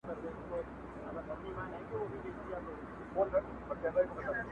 چې د ښکلا لپاره ایله دوه حواس ځانګړي دي